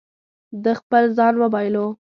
ده خپل ځان وبایلو.